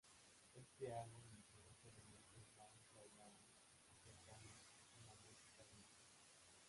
Este álbum introdujo elementos más bailables y cercanos a la música disco.